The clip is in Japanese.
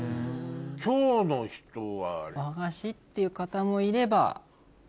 今日の人は。っていう方もいれば。